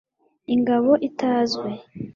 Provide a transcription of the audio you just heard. ingabo itazwi